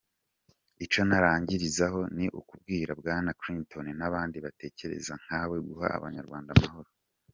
Icyo narangirizaho ni ukubwira Bwana Clinton n’abandi batekereza nkawe guha abanyarwanda amahoro.